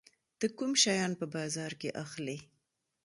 ته کوم شیان په بازار کې اخلي؟